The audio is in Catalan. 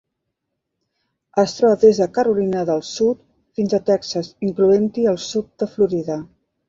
Es troba des de Carolina del Sud fins a Texas, incloent-hi el sud de Florida.